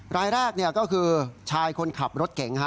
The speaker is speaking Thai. รายแรกก็คือชายคนขับรถเก่ง